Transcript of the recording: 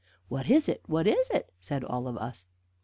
"What is it? what is it?" said all of us.